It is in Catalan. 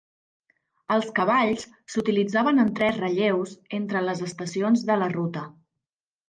Els cavalls s'utilitzaven en tres relleus entre les estacions de la ruta.